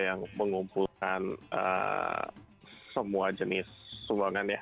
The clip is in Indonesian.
yang mengumpulkan semua jenis sumbangan ya